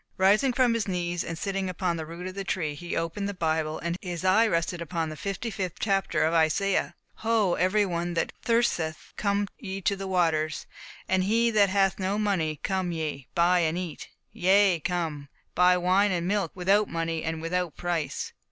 Rising from his knees, and sitting upon the root of the tree, he opened the Bible, and his eye rested upon the fifty fifth chapter of Isaiah, "Ho, every one that thirsteth, come ye to the waters, and he that hath no money; come ye, buy and eat; yea, come; buy wine and milk, without money and without price."